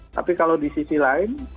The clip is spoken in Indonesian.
tapi kalau di sisi lain